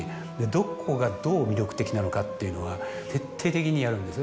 どこがどう魅力的なのかっていうのは徹底的にやるんです。